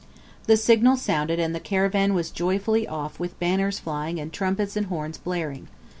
The signal sounded and the caravan was joyfully off with banners flying, and trumpets and horns blaring.